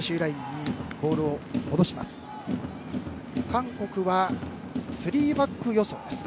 韓国は３バック予想です。